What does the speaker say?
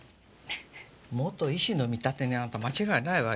もと医師の見立てにあなた間違いはないわよ。